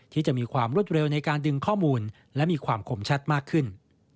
ที่จะมีความรวดเร็วในการดึงข้อมูลและมีความคมชัดมากขึ้น